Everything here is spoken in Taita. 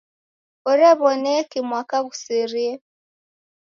Korew'oneki mwaka ghusirie?